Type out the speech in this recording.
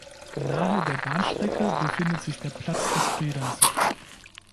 Nahe der Bahnstrecke befindet sich der Platz des Friedens.